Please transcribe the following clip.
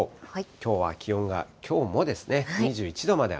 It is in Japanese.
きょうは気温が、きょうもですね、高い。